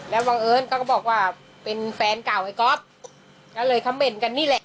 แล้วบังเอิญก็บอกว่าเป็นแฟนเก่าไอ้ก๊อฟก็เลยคำเมนต์กันนี่แหละ